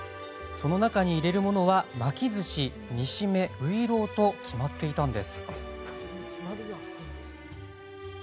その中に入れるものは巻きずし煮しめ、ういろうと決まっていました。